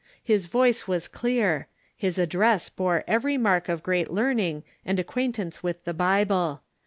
His voice was clear. His address bore every mark of great learning and acquaintance with the Bible.